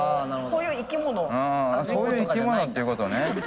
そういう生き物っていうことね。